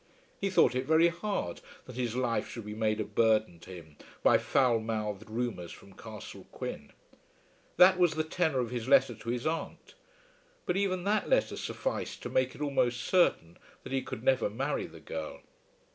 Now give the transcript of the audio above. He thought it very hard that his life should be made a burden to him by foul mouthed rumours from Castle Quin. That was the tenour of his letter to his aunt; but even that letter sufficed to make it almost certain that he could never marry the girl.